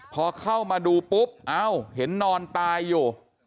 พอเข้ามาดูปุ๊บเอ้าเห็นนอนตายอยู่